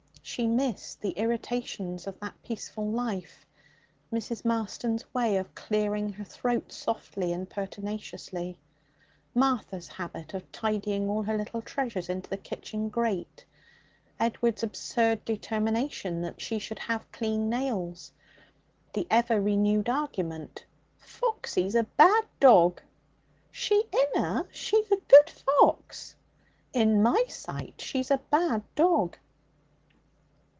She missed the irritations of that peaceful life Mrs. Marston's way of clearing her throat softly and pertinaciously; Martha's habit of tidying all her little treasures into the kitchen grate; Edward's absurd determination that she should have clean nails; the ever renewed argument, 'Foxy's a bad dog!' 'She inna. She's a good fox.' 'In my sight she's a bad dog.'